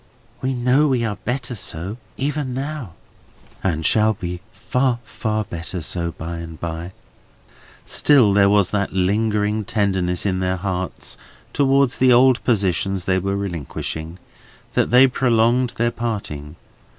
"We know we are better so, even now?" "And shall be far, far better so by and by." Still there was that lingering tenderness in their hearts towards the old positions they were relinquishing, that they prolonged their parting.